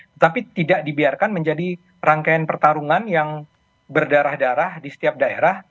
tetapi tidak dibiarkan menjadi rangkaian pertarungan yang berdarah darah di setiap daerah